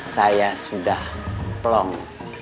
saya sudah plong